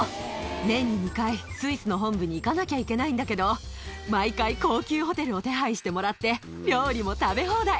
年に２回、スイスの本部に行かなきゃいけないんだけど、毎回、高級ホテルを手配してもらって、料理も食べ放題。